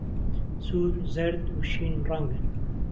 سوور، زەرد، و شین ڕەنگن.